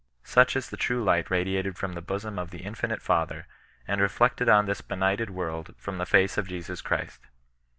Such is the true light radiated from the bosom of the Infinite Father, and reflected on this benighted world from the face of Jesus Christ.